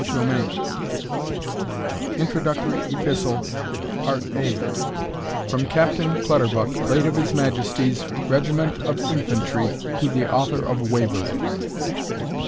INTRODUCTORY EPISTLE FROM CAPTAIN CLUTTERBUCK, LATE OF HIS MAJESTY'S REGIMENT OF INFANTRY, TO THE AUTHOR OF WAVERLEY.